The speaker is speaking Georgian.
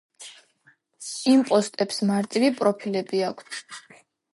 იმპოსტებს მარტივი პროფილები აქვთ.